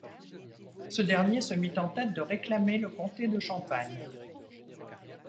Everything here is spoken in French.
Ce dernier se mit en tête de réclamer le comté de Champagne.